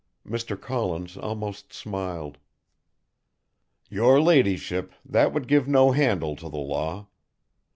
Mr. Collins almost smiled. "Your ladyship, that would give no handle to the law.